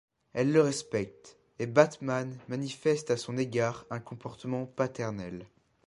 Elle le respecte, et Batman manifeste à son égard un comportement paternel.